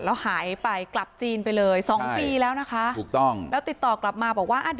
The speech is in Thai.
แล้วหายไปกลับเจีนไปเลย๒ปีแล้วนะคะ